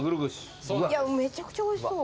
めちゃくちゃおいしそう。